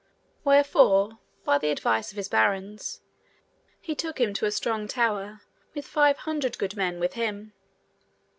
Wherefore, by the advice of his barons, he took him to a strong tower with five hundred good men with him.